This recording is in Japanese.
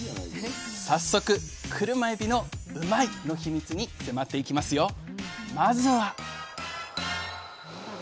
早速クルマエビのうまいッ！のヒミツに迫っていきますよ。